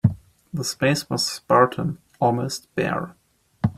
The space was spartan, almost bare.